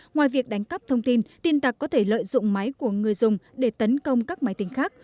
ngoài việc đánh cắp thông tin tin tặc có thể lợi dụng máy của người dùng để tấn công các máy tính khác